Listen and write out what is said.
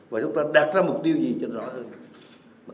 và chúng ta đạt ra mục tiêu gì cho nó rõ hơn